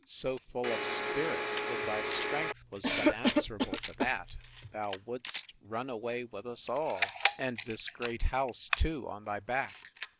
so full of spirit! if thy strength was but answerable to that, thou would'st run away with us all, and this great house too on thy back!